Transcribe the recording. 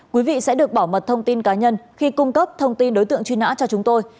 quý vị sẽ được bảo mật thông tin cá nhân khi cung cấp thông tin đối tượng truy nã cho chúng tôi